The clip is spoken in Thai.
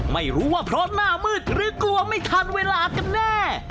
ไม่รู้ว่าเพราะหน้ามืดหรือกลัวไม่ทันเวลากันแน่